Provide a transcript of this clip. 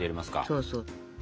そうそう。